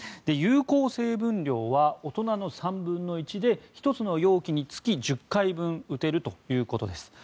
有効成分量は大人の３分の１で１つの容器につき１０回分打てるということです。